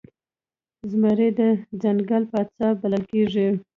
زمری د ځنګل پاچا بلل کېږي.